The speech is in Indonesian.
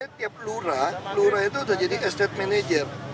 tiap lura lura itu sudah jadi estate manager